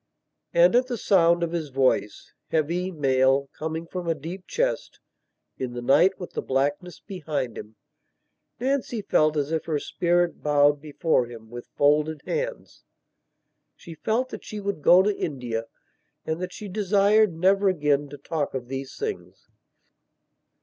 And, at the sound of his voice, heavy, male, coming from a deep chest, in the night with the blackness behind him, Nancy felt as if her spirit bowed before him, with folded hands. She felt that she would go to India, and that she desired never again to talk of these things.